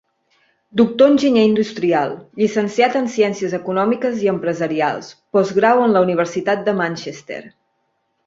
Doctor enginyer industrial, Llicenciat en Ciències Econòmiques i Empresarials, Postgrau en la Universitat de Manchester.